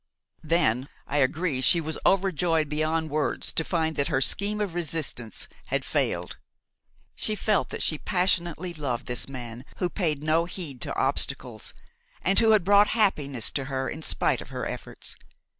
Then, I agree, she was overjoyed beyond words to find that her scheme of resistance had failed. She felt that she passionately loved this man who paid no heed to obstacles and who had brought happiness to her in spite of her efforts.